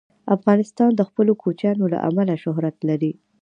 افغانستان د خپلو کوچیانو له امله شهرت لري.